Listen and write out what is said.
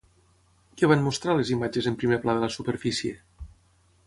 Què van mostrar les imatges en primer pla de la superfície?